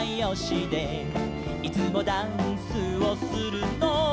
「いつもダンスをするのは」